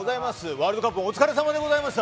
ワールドカップお疲れさまでした。